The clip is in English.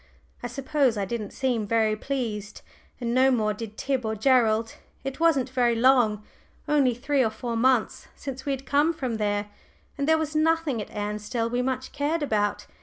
I suppose I didn't seem very pleased, and no more did Tib or Gerald. It wasn't very long only three or four months since we had come from there, and there was nothing at Ansdell we much cared about.